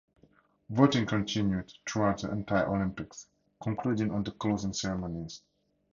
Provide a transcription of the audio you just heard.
Voting continued throughout the entire Olympics concluding on the Closing Ceremonies.